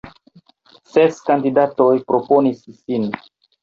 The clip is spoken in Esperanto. Ses kandidatoj proponis sin.